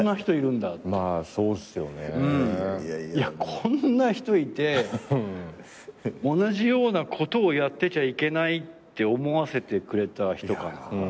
こんな人いて同じようなことをやってちゃいけないって思わせてくれた人かな。